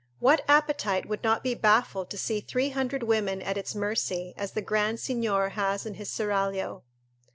What appetite would not be baffled to see three hundred women at its mercy, as the grand signor has in his seraglio?